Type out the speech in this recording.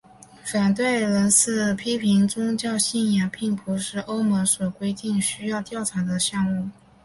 反对人士批评宗教信仰并不是欧盟所规定需要调查的项目。